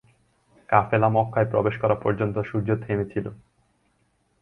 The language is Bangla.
কাফেলা মক্কায় প্রবেশ করা পর্যন্ত সূর্য থেমে ছিল।